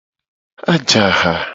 Aje aha.